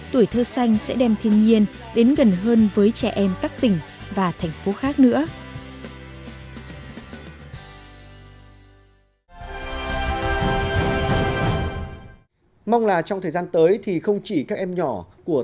tuổi thơ xanh sẽ đem thiên nhiên đến gần hơn với trẻ em các tỉnh và thành phố khác nữa